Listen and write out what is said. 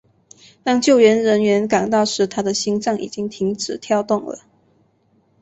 当救援人员赶到时他的心脏已经停止跳动了。